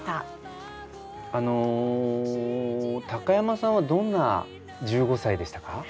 あの高山さんはどんな１５歳でしたか？